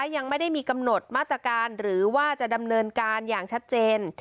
ยังไม่ได้มีกำหนดมาตรการหรือว่าจะดำเนินการอย่างชัดเจน